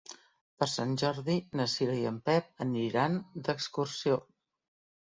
Per Sant Jordi na Cira i en Pep aniran d'excursió.